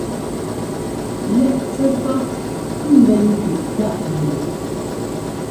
Lɛ́ꞌ pɛ́pá ḿbɛn kẅiꞌ táꞌ ŋguꞌ.